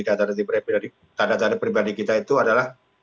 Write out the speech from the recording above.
data data pribadi kita itu adalah